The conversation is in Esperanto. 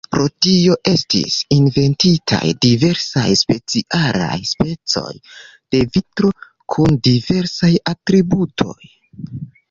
Pro tio estis inventitaj diversaj specialaj specoj de vitro kun diversaj atributoj.